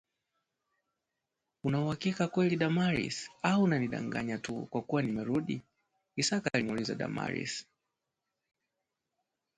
"Una uhakika kweli, Damaris, au unanidanganya tu kwa kuwa nimerudi?" Isaka alimuliza Damaris